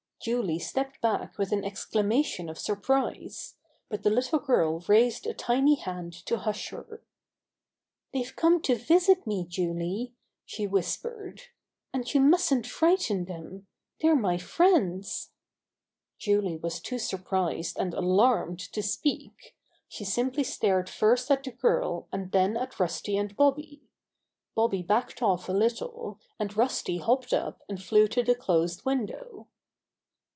Julie stepped back with an exclamation of surprise. But the little girl raised a tiny hand to hush her. "They've come to visit me, Julie," she whis pered. "And you mustn't frighten them. They're my friends." 30 Bobby Gray Squirrers Adventures Julie was too surprised and alarmed to speak. She simply stared first at the girl and then at Rusty and Bobby. Bobby backed off a little, and Rusty hopped up and flew to the closed window.